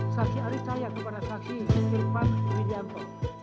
saksi arisaya kepada saksi irfan widianto